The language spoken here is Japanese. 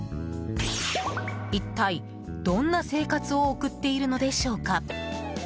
一体、どんな生活を送っているのでしょうか。